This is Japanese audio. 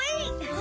あ！